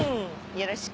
よろしく。